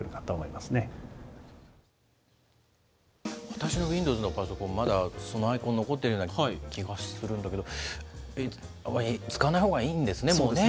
私のウィンドウズのパソコン、まだそのアイコン残っているような気がするんだけれども、使わないほうがいいんですね、もうね。